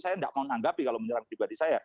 saya tidak mau anggapi kalau menyerang pribadi saya